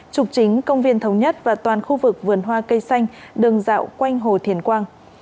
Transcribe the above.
trục chính công viên thống nhất và toàn khu vực vườn hoa cây xanh đường dạo quanh hồ thiền quang